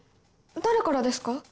誰からですか？